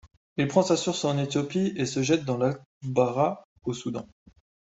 Il prend sa source en Éthiopie et se jette dans l'Atbara au Soudan.